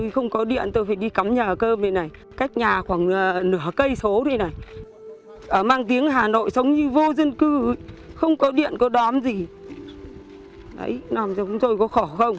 không có điện có đám gì đấy làm cho chúng tôi có khổ không